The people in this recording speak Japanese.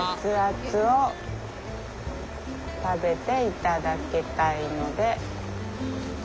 熱々を食べていただきたいので。